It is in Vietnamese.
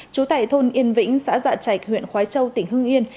chú tải thôn yên vĩnh xã dạ trạch huyện khói châu tỉnh hưng yên